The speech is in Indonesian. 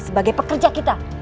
sebagai pekerja kita